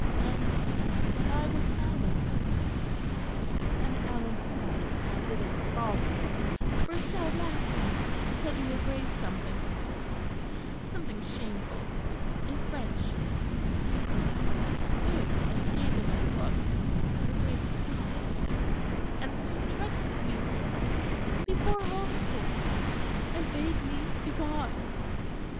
And and I was silent; and Alençon, that little frog man burst out laughing and said to her Grace something something shameful in French but I understood, and gave him a look; and her Grace saw it, and, and struck me here, before all the Court, and bade me begone."